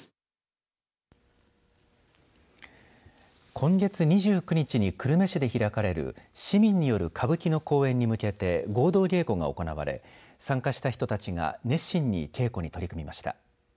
今月２９日に久留米市で開かれる市民による歌舞伎の公演に向けて合同稽古が行われ参加した人たちが熱心に稽古に取り組みました。